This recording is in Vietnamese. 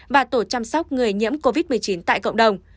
và tổ chăm sóc người nhiễm covid một mươi chín tại cộng đồng